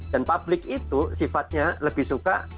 dan publik itu sifatnya lebih suka